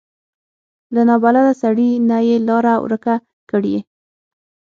له نابلده سړي نه یې لاره ورکه کړي.